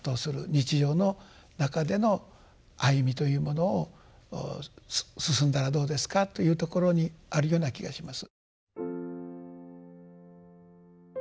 日常の中での歩みというものを進んだらどうですかというところにあるような気がします。